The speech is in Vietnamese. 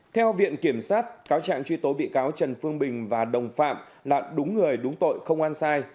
theo viện kiểm sát cáo trạng truy tố bị cáo trần phương bình và đồng phạm là đúng người đúng tội không ăn sai